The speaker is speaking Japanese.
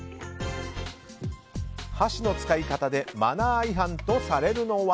箸の使い方でマナー違反とされるのは。